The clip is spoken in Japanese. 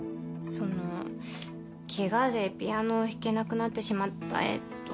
そのケガでピアノを弾けなくなってしまったえっと。